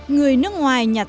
người nước ngoài nhạt rác